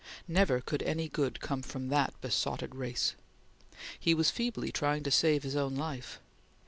Never could any good come from that besotted race! He was feebly trying to save his own life.